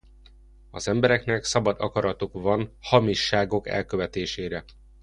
Az embereknek szabad akaratuk van hamisságok elkövetésére.